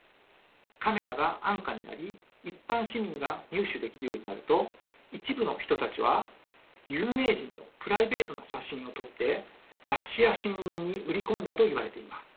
カメラが安価になり一般市民が入手できるようになると一部の人たちは有名人のプライベートな写真を撮って雑誌や新聞に売り込んだといわれています。